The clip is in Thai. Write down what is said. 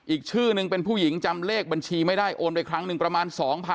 อีกชื่อนึงเป็นผู้หญิงจำเลขบัญชีไม่ได้โอนไปครั้งหนึ่งประมาณ๒๐๐๐